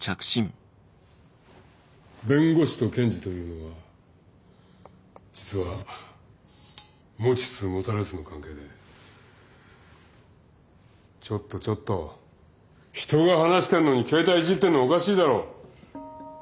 弁護士と検事というのは実は持ちつ持たれつの関係でちょっとちょっと人が話してんのに携帯いじってんのおかしいだろ！